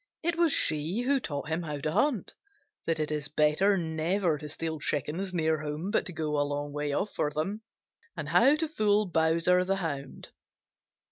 It was she who taught him how to hunt, that it is better never to steal chickens near home but to go a long way off for them, and how to fool Bowser the Hound.